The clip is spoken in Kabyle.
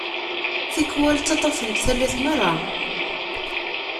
Tikwal, ttaṭṭafen-t tallit merra.